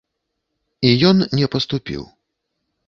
І ён не паступіў.